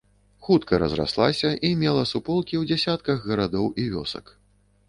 Хутка разраслася і мела суполкі ў дзясятках гарадоў і вёсак.